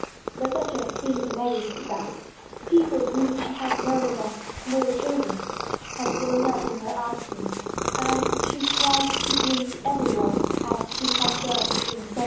The duchess seemed amazed that people whom she had known as small chil dren had grown up in her absence, and she tried to greet every one as she had done in 1789.